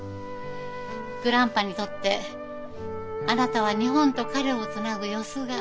グランパにとってあなたは日本と彼をつなぐよすが。